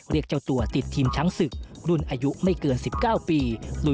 เรียกเจ้าตัวติดทีมช้างศึกรุ่นอายุไม่เกิน๑๙ปี